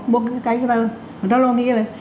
một cái người ta lo nghĩa này